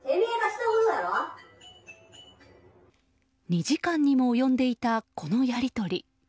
２時間にも及んでいたこのやりとり。